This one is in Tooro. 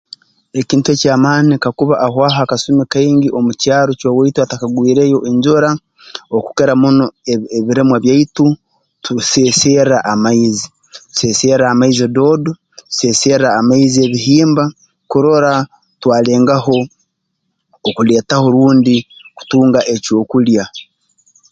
Ekintu eky'amaani kakuba ahwaho akasumi kaingi omu kyaro ky'owaitu hatakagwireyo enjura okukira muno abi ebirimwa byaitu tubiseeserra amaizi tuseeserra amaizi doodo tuseeserra amaizi ebihimba kurora twalengaho okuleetaho rundi kutunga ekyokulya